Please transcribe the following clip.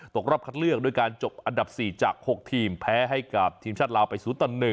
ตกรอบคัดเลือกด้วยการจบอันดับ๔จาก๖ทีมแพ้ให้กับทีมชาติลาวไป๐ต่อ๑